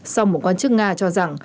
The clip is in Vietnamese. sau một quan chức nga cho rằng